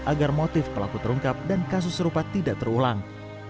agar motif pelaku terungkap dan kasus serupa tidak terulang